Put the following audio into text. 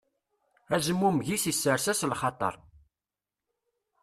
Azmummeg-is isers-as lxaṭer.